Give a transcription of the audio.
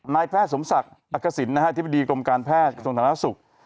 นายแพทย์สมศักดิ์อักษิณทฤษฎีกรมการแพทย์ทางศาลนักศึกษ์